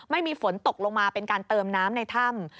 ไม่มีฝนตกลงมาเป็นการเติมน้ำในถ้ำ